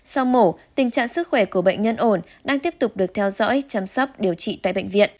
sau mổ tình trạng sức khỏe của bệnh nhân ổn đang tiếp tục được theo dõi chăm sóc điều trị tại bệnh viện